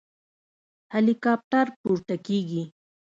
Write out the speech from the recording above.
هليكاپټر پورته کېږي.